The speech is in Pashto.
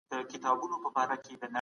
د پيچلو نقشونو جوړول څنګه کيده؟